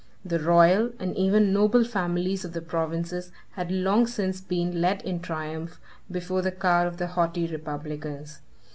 The royal, and even noble, families of the provinces had long since been led in triumph before the car of the haughty republicans.